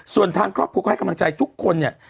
ส่วนทางครอบครัวก็ให้กำลังใจทุกคนเนี่ย